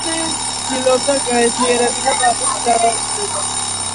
ცდილობდა გაეძლიერებინა პაპის ძალაუფლება.